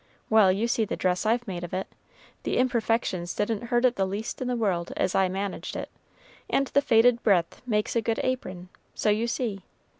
Well, you see the dress I've made of it. The imperfections didn't hurt it the least in the world as I managed it, and the faded breadth makes a good apron, so you see.